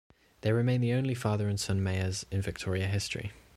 They remain the only father and son mayors in Victoria history.